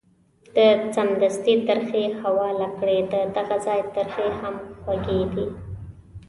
ده سمدستي ترخې حواله کړې، ددغه ځای ترخې هم خوږې دي.